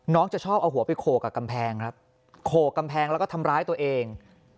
จะชอบเอาหัวไปโขกกับกำแพงครับโขกกำแพงแล้วก็ทำร้ายตัวเอง